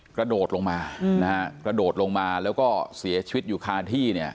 กระโดดลงมานะฮะกระโดดลงมาแล้วก็เสียชีวิตอยู่คาที่เนี่ย